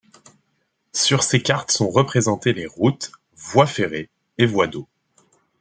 Sur ces cartes sont représentés les routes, voies ferrées et voies d'eaux.